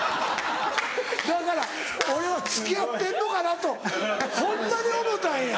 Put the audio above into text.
だから俺は付き合ってんのかなとホンマに思うたんや。